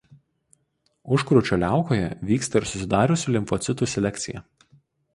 Užkrūčio liaukoje vyksta ir susidariusių limfocitų selekcija.